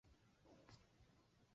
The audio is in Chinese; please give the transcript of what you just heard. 头顶的萤幕